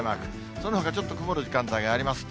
そのほか、ちょっと曇る時間帯があります。